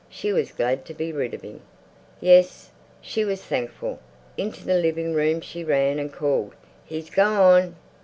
She was glad to be rid of him! Yes, she was thankful. Into the living room she ran and called "He's gone!"